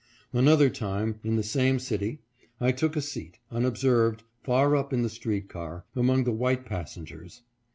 Another time, in the same city, I took a seat, unob served, far up in the street car, among the white passen gers.